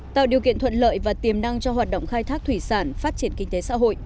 tạo điều kiện thuận lợi và tiềm năng cho hoạt động khai thác thủy sản phát triển kinh tế xã hội